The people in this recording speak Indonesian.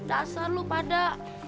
dasar lo pada